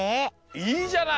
いいじゃない！